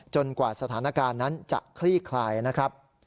กว่าสถานการณ์นั้นจะคลี่คลายนะครับ